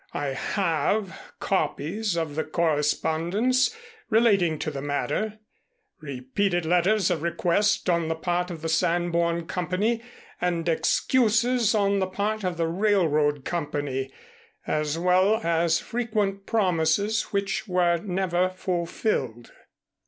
I have copies of the correspondence, relating to the matter: repeated letters of request on the part of the Sanborn Company and excuses on the part of the railroad company, as well as frequent promises which were never fulfilled."